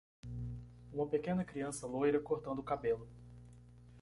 Uma pequena criança loira cortando o cabelo